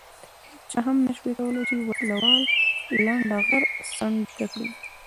هېچا هم نه شوای کولای چې وسله وال لنډه غر څنډې ته کړي.